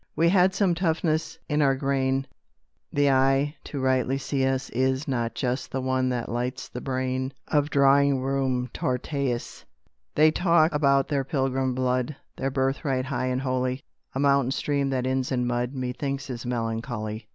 "We had some toughness in our grain, The eye to rightly see us is Not just the one that lights the brain Of drawing room Tyrtæuses: They talk about their Pilgrim blood, Their birthright high and holy! A mountain stream that ends in mud Methinks is melancholy.